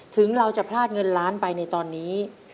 ถึงเราจะพลาดเงินล้านไปในตอนนี้